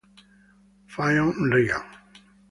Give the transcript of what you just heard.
Fionn Regan